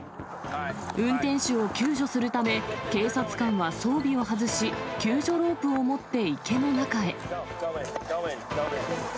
運転手を救助するため、警察官は装備を外し、救助ロープを持って池の中へ。